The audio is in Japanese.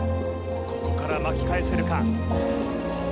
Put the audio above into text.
ここから巻き返せるか？